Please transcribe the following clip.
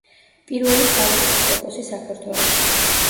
პირველი ქალი ეპისკოპოსი საქართველოში.